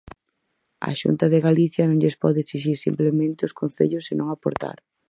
A Xunta de Galicia non lles pode exixir simplemente aos concellos e non aportar.